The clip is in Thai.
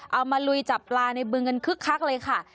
เอามาลุยจับปลาในเบื้องกันคึกเลยค่ะ